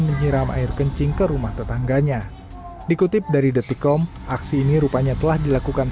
menyiram air kencing ke rumah tetangganya dikutip dari detikom aksi ini rupanya telah dilakukan